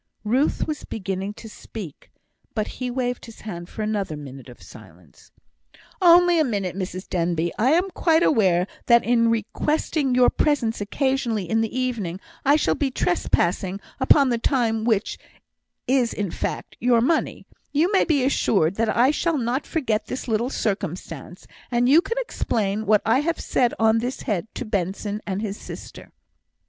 Ruth was beginning to speak, but he waved his hand for another minute of silence. "Only a minute, Mrs Denbigh. I am quite aware that, in requesting your presence occasionally in the evening, I shall be trespassing upon the time which is, in fact, your money; you may be assured that I shall not forget this little circumstance, and you can explain what I have said on this head to Benson and his sister."